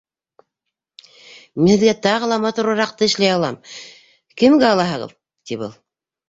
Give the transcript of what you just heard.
«Мин һеҙгә тағы ла матурыраҡты эшләй алам, кемгә алаһығыҙ?» ти был.